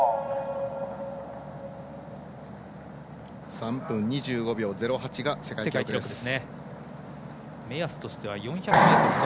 ３分２５秒０８が世界記録です。